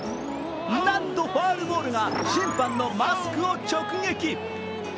なんとファウルボールが審判のマスクを直撃。